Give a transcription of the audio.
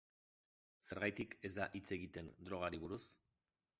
Zergatik ez da hitz egiten drogari buruz?